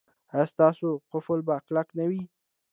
ایا ستاسو قفل به کلک نه وي؟